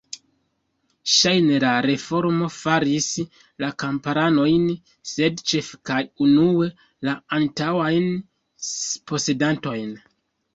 Ŝajne la reformo favoris la kamparanojn, sed ĉefe kaj unue la antaŭajn posedantojn.